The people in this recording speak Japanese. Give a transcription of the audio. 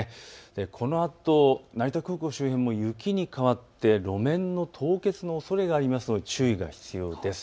このあと成田空港周辺も雪に変わって路面の凍結のおそれがありますので注意が必要です。